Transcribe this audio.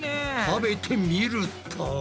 食べてみると。